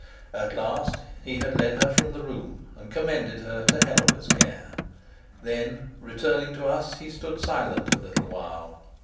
At last he had led her from the room and commended her to Helga's care. Then, returning to us, he stood silent a little while.